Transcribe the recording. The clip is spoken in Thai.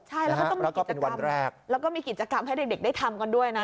ใช่แล้วก็ต้องมีกิจกรรมแล้วก็เป็นวันแรกแล้วก็มีกิจกรรมให้เด็กเด็กได้ทำกันด้วยนะ